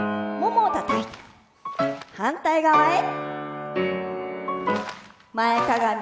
ももをたたいて反対側へ。